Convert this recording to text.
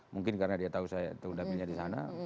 mungkin karena dia tahu saya sudah milihnya di sana